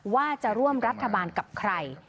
ว่าจะร่วมรัฐบาลกับใคร